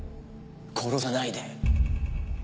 殺さないで。